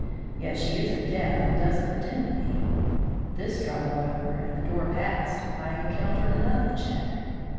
Yet she isn't deaf and doesn't pretend to be. This trouble over, and the door passed, I encountered another check.